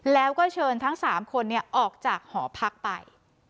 แล้วก็เชิญทั้ง๓คนออกจากหอพักไป